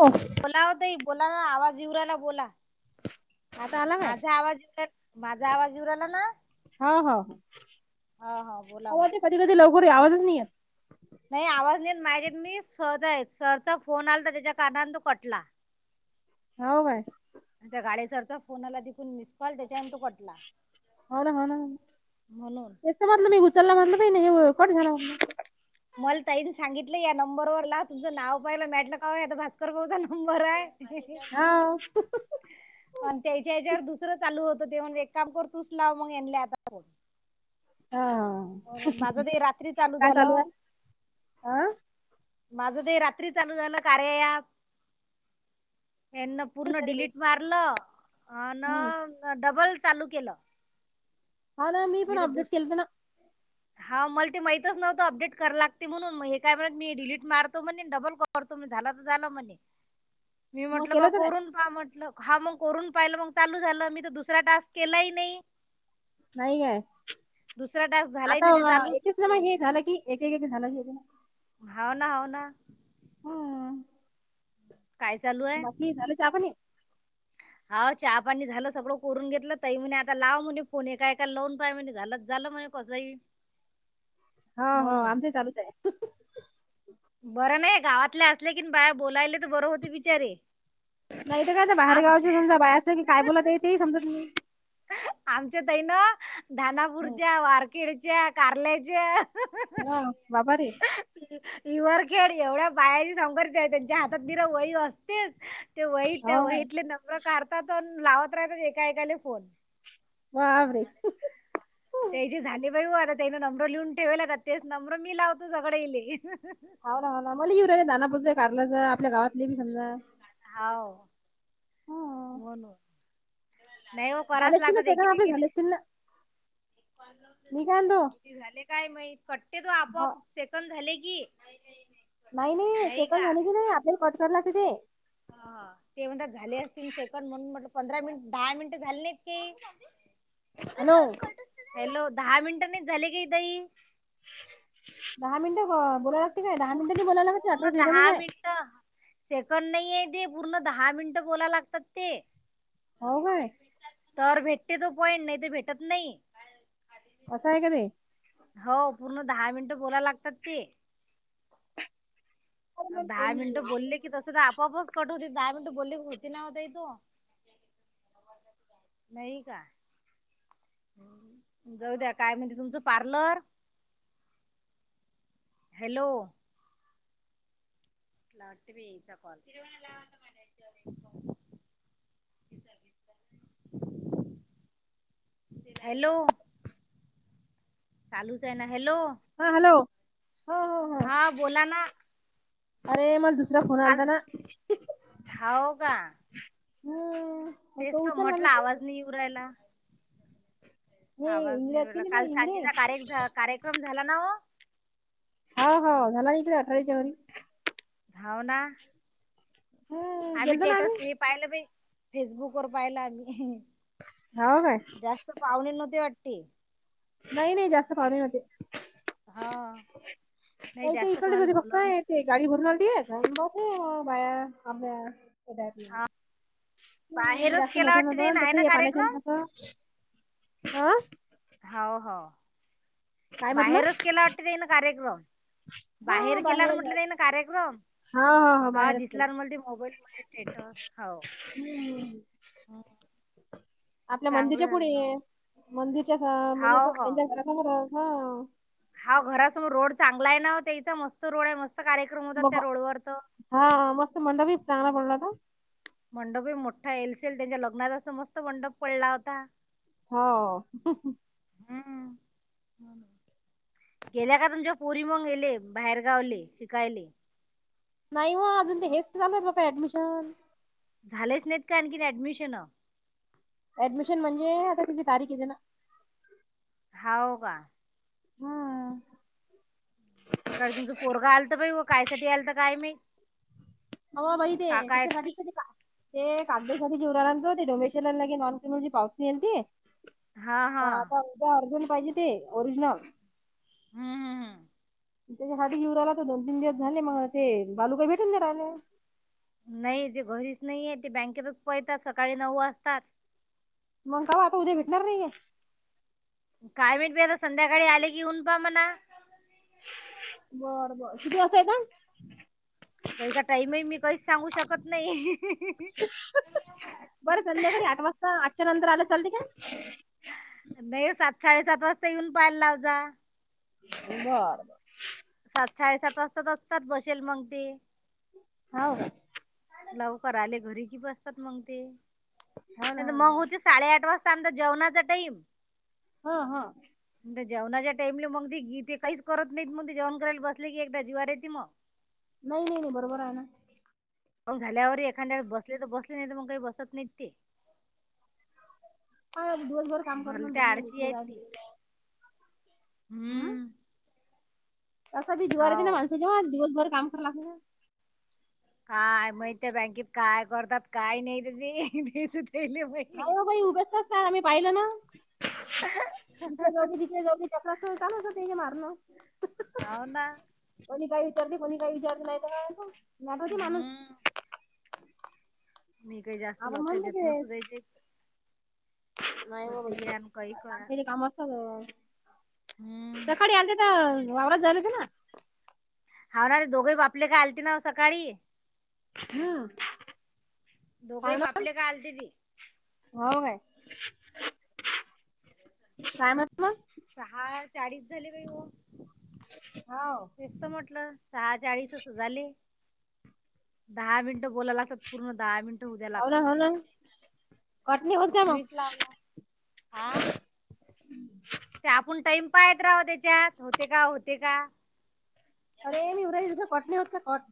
हो बोला होतय बोला ना आवाज इवराायला बोला आता आला काय माझा आवाज उ माझा आवाज उराला ना हो हो हा हा बोला आवाज म कधी कधी आवाजच नाही नाही आवाज नाही माहिजे मी स सरचा फोन आला तर त्याच्या कारनाने तो कटला हो काय त्या गाडीसरचा फोनालाून मि हो ना हो ना म्हणून तस म्हधलं मी उचलला म्हटलं हे कोठ झाणार मला ताईने सांगितलं या नंबरवरर लाव तुमचं नाव पहायला मेटलं का आता भास्कर भाऊचा नंबर आहे हो आणि त्याच्या याच्यावर दुसरं चालू होत देऊन एक काम कर तूच लाव मग येन आता हा अ माझं ते रात्री चालू काय झालं आहे हा माझं ते रात्री चालू झालं कार्याया त्यांना पूर्ण डिलीट मारलं अ हम्म डबल चालू केलं हा ना मी पण तर अपडेट दुस केलंत ना हा मला ते माहितच नवतं अपडेट करा लागते म्हणून हे काय म्हणत मी डिलीट मारतो म्हण डबल करतो झाला तर झालं म्हणे मी मग म्हंटलं केलं बा होतं काय करून पा म्हटलं हा मग करून पाहिलं मग चालू झालं मी तर दुसरा टास्क केलाही नाही नाही काय दुसरा टास्क झालाही आता नाही ते चालूच येेतेच ना नाही म राहिलं. हे झालं की एक झालंेत ना होव ना हो ना हा काय चालू बाकी झाल चापणी? हा चहा पाणी झाल सगळ करून घेतल तही म्हणे आता लावा म्हणे फोन एका एका लोन पाय म्हणे झालत झाल. म्हज कजही हो हो आमच चालूच ये. गावातले असल्या किन बाय बोलायले तर बर होते बिचारे नाही तर काय, आ बाहेर गावाचे आमच्या समजा बाया असलं की काय बोलयाचाये ते यी समजत नही. आमच्या तई ना हम्म. धानापूरच्या, वारकेडच्या, कारल्याच्या ह बाबा रे! इ्हर खेळ एवढ्या बायाची संकर्ती आहे त्यांच्या हातात धर वयी असतीच. ते वही हो त्या काय वहीतले नंबर काढतात न लावत राहतात एका एकाले फोन. वावरे त्याची झाली बाई हो आता त्यान नम्र लिहून ठेवेले तेच नम्र मी लावतो सगडेइले. हा ना हो ना मला येऊ रा नाही नानापूर कारला जा आपल्या गावातले बी समजा हाव हं. होन, नाही हो झाले कराच असतील ना लागत सेकंद आपले झाले एकीमेकीले. असतील ना. मी काय म्हणतो ती झाले. काय मा कट्टते तो हा आपोआप सेकंद झाले की. नाही, नाही सेकन झाली कि ते आपल्या कट करा लागता ते. ते म्हणतात झाले असतील सेकंड म्हणून म्हटल पंधरा मिनिट दहा मिनिट झाले नाहीत की हॅलो हॅलो दहा मिनिटांनीच झाले का दई. दहा मिनट? बोलायलागते काय दहा पूर्ण मिनिट बोलायला लागते पूर्ण [unintelligible] सगतच दहा आहे. मिनिटं सेकंड नाहीये पूर्ण दहा मिनट बोला लागतात ते. हो काय? तर भेटते तो पॉईंट नायी ते भेटत नायी असाये का ते? हव पूर्ण दहा मिनिटं बोलाय लागतात ते. दहा मिनिटं बोलले की तस तर आपाआपच कटव दहा मिनटं बोलली होती ना वो ताई तो? नाही काय? जाऊ द्या काय म्हणते तुमच पार्लर? हॅलो ट बी चा कॉल. हॅलो. चालूच ये ना. हॅलो हा हॅलो हा बोला ना. अरे मला दुसरा फोन काल आलता ना. तर हम- तेचतो मटला आवाज नायी येऊरायला हे आवाज इंगळे आहेत की निवला नाही काल ते इंगळे? सांजेचा कार्यक्रम झाला ना वो. हो हो झाला इकडे अठराच्यावारी. हाव ना. हं. आम्ही गेलतो ना स्टेटस हे पाहिले बई. फेसबुक वर पाहिला आम्ही, हो काय? जास्त पाहुणे नव्हती वाट टी नाही नाही जास्त पाणे नवते. हा. नाही त्यायच्या जास्त इकडडेच कोणाला होती फक्त बोलवलं नायी ते गाडी भरून आलीती बस बाया आब्या बाहेरच जास्त केला मोठ वाटते ते नवत आहे तस ना हे पाण्याचा कार्यक्रम न कस अ हो हो काय म्हटलं बाहेरच केला वाटत त्याइन कार्यक्रम. बाहेर केलावर म्हटलं त्याईन कार्यक्रम. हा हा बाहेरच केला दिसला न मले ते मोबाईल मध्ये स्टेटस हो. हम्म हुं. आपल्या मंदिच्या पुढे. मंदिच्या हा म्हणजे असं हाव हो त्यांच्या घरा समोरच हा. हाव घरासमोर रोड चांगला आहे ना त्याइचा मस्त रोड आहे मस्त मस्त कार्यक्रम होतात बघ त्या रोड वर त. हा मस्त मंडपही चांगला पडला होता मंडपही मोठा येईलशे त्यांच्या लग्नात असा मस्त मंडप पडला होता. हो. हम्म गेल्या का तुमच्या पोरी मग येले बाहेरगावले शिकायले. नाही वा अजून ते हेच झालय त्याच ऍडमिशन. झालेच नाहीत का आणखीन ऍडमिशन. ऍडमिशन म्हणजे आता त्याची तारीख येते ना. हाव का? हममंम.. सकाळी तुमचं पोरग आलत बाई व कायसाठी आलत काय माहित. अव बाई ते तिच्यासाठी का ते. [unintelligible] हा त हा आता उद्या अर्जंट पाहिजे ते ओरिजनल. हम्म हम्म हम्म.. त्याच्या साठी येऊ राहिला तो दोन तीन दिवस झाले म ते बालू काही भेटून नाही राहिले. नाही ते घरीच नाहीयेत ते बँकेतच पळतात सकाळी नऊ वाजताच. मंग का हो आता उद्या भेटणार नाहीये. काय माहित बाई आता संध्याकाळी आले की यून पहा म्हणा. बर बर कीती वाजता येतान. त्याइचा टाईमही मी कहीच सांगू शकत नाही. बरं संध्याकाळी आठ वाजता आठच्या नंतर आलं चालते काय. नाही सात साडेसात वाजता येऊन पहायला लाव जा. बर बर. सात साडेसात वाजता त असतात बशेल मग ते. हाव. लवकर आले घरी की बसतात मग ते हा ना नाहीत हा मग ना होते साडेआठ वाज त्यांनचा जेवणाचा टाईम. हा हा जेवणाच्या टाइमला मग ते इथे काहीच करत नाहीत मग ते जेवण करायला बसले की एकदा जीवार येते मग. नाही नाही बरोबर आहे ना. मग झाल्यावर एखाद्या वेळ बसले तर बसले नाही तर मग काही बसत नाहीत ते. दिवसभर काम करून पिके जाय तिकड जाय हं? हमम.. तसा बी जीवावर येते ना माणसाच्या दिवसभर काम करा लागते ना. काय माहित त्या बँकेत काय करतात काय नाही त ते. त्याले माहित हो ना बाई उभेच असतात आम्ही पाहिलं ना. इथे जाऊकी तिथे जाऊ की चक्रा असन चालू असता त्याचं मारण. हावना. तरी बी कोणी काही विचारले नाही तर हम्म मी काही जास्त आपण लक्ष म्हणतो देत ते नसू द्यायचे. नाही हो बाई कधी या न काही करा. माणसाचे काम असतात. हम्म सकाळी आलते तर वावरात जायत होते ना. हावणारे दोघही बापले काय आलते ना व सकाळी. हम्म दोघही काय म्हणत बापलेक आलते ती. हो काय काय म्हटलं? सहा चाळीस झाले बाई हो हो तेचत म्हटलं. सहा चाळीस त झाले दहा मिनिटं बोलायला लागतात पूर्ण दहा मिनि ट उद्या लागता ते. कोणी उरते मग. मीच लावला हा ते आपण टाइम पाहत राहो त्याच्यात होते का होते का, अरे मी उद्या कॅटनीवरच्या कॅट.